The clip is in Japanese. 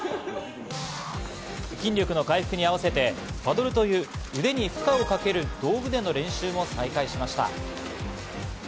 筋力の回復に合わせてパドルという腕に負荷をかける道具での練習も再開しました。